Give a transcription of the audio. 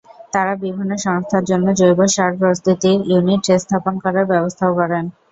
তাঁরা বিভিন্ন সংস্থার জন্যে জৈব সার প্রস্তুতির ইউনিট স্থাপন করার ব্যবস্থাও করেন।